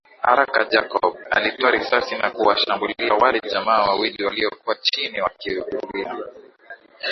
Haraka Jacob alitoa risasi na kuwashambulia wale jamaa wawili waliokuwa chini wakiugulia